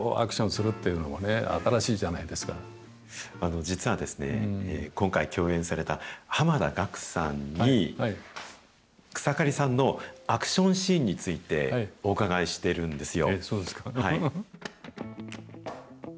実はですね、今回、共演された濱田岳さんに、草刈さんのアクションシーンについてお伺いしてるんですよ。